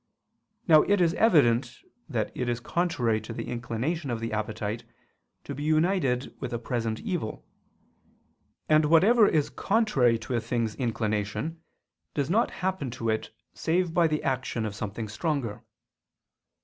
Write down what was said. Now it is evident that it is contrary to the inclination of the appetite to be united with a present evil: and whatever is contrary to a thing's inclination does not happen to it save by the action of something stronger.